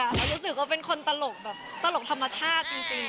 ก็รู้สึกว่าเป็นคนตลกตลกธรรมชาติจริงนะ